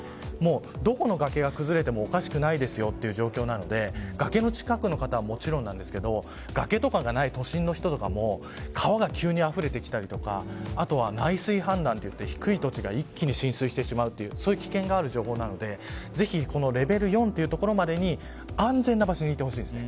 どこの崖が崩れてもおかしくないですよという状況なので崖の近くの方はもちろんなんですけど崖とかがない都心の人も川が急にあふれてきたりとかあとは、内水氾濫といって低い土地が一気に浸水してしまうという危険がある情報なのでぜひ、レベル４までには安全な場所にいてほしいです。